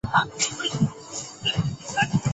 北直隶顺天府蓟州人。